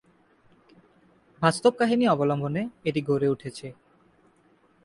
বাস্তব কাহিনী অবলম্বনে এটি গড়ে উঠেছে।